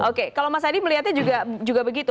oke kalau mas adi melihatnya juga begitu